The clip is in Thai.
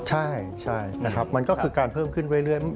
ใช่นะครับมันก็คือการเพิ่มขึ้นเรื่อย